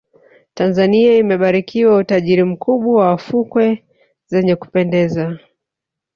tanzania imebarikiwa utajiri mkubwa wa fukwe zenye kupendeza